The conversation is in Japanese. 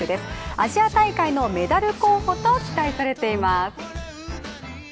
アジア大会のメダル候補と期待されています。